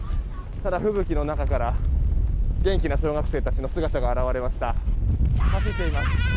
ただ、吹雪の中から元気な小学生たちの姿が現れました。